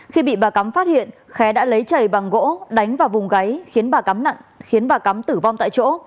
khi bị bà cắm phát hiện khé đã lấy chầy bằng gỗ đánh vào vùng gáy khiến bà cắm nặng khiến bà cắm tử vong tại chỗ